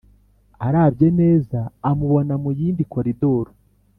arabye neza amubona muyindi koridoro